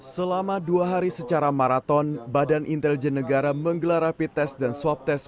selama dua hari secara maraton badan intelijen negara menggelar rapid test dan swab test